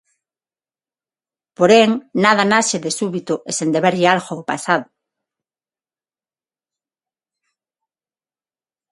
Porén, nada nace de súbito e sen deberlle algo ao pasado.